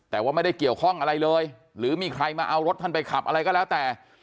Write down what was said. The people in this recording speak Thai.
แต่ว่าไม่ได้เกี่ยวข้องอะไรเลยหรือมีใครมาเอารถท่านไปขับอะไรก็แล้วแต่